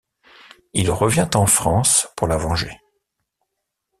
Il revient en France pour la venger.